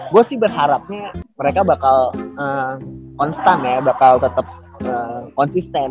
gue sih berharapnya mereka bakal konstan ya bakal tetap konsisten